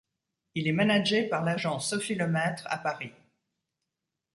Il est managé par l'agence Sophie Lemaître à Paris.